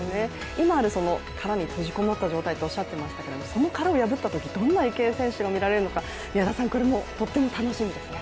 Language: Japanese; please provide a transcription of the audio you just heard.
今ある殻に閉じこもった状態っておっしゃっていましたけどその殻を破ったとき、どんな池江選手が見られるのかこれもとっても楽しみですね。